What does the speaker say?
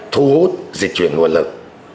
thu hút dịch chuyển nguồn lực